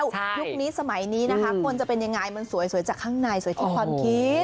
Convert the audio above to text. ยุคนี้สมัยนี้นะคะคนจะเป็นยังไงมันสวยจากข้างในสวยที่ความคิด